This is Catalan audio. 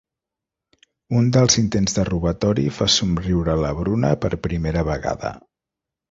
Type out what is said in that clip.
Un dels intents de robatori fa somriure la Bruna per primera vegada.